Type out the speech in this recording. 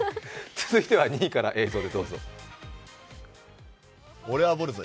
続いては２位から映像でどうぞ。